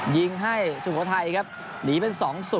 ยิงให้สุโขทัยครับหนีเป็น๒๐